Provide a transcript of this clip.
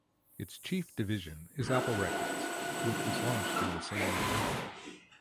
Its chief division is Apple Records, which was launched in the same year.